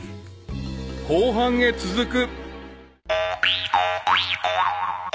［後半へ続く］